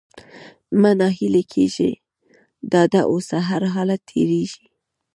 مه ناهيلی کېږه! ډاډه اوسه! هرحالت تېرېږي.